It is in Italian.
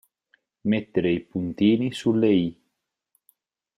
Mettere i puntini sulle i.